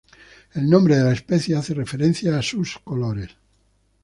El nombre de la especie hace referencia a sus colores.